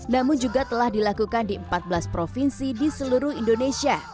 namun juga telah dilakukan di empat belas provinsi di seluruh indonesia